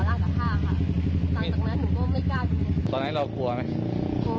ไปจับคอเสื้อผู้หญิงหนูก็ว่าเขาจะทำอะไรกัน